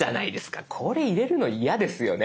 これ入れるの嫌ですよね。